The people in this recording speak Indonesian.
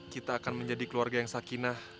kita akan menjadi keluarga yang sakinah